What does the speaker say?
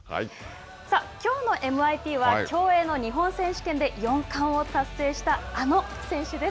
さあきょうのＭＩＰは競泳の日本選手権で四冠を達成したあの選手です。